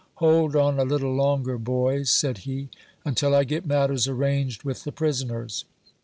" Hold on a little longer, boys," said he, " until I get matters arranged with the prisoners."